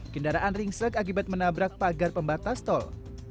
kendaraan ringsek akibat menabrak pagar pembatas tol